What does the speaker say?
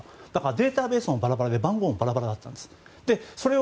データベースもバラバラで番号もバラバラだったんです。